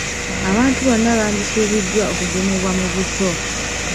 Abantu bano bandisubiddwa okugemebwa mu buto.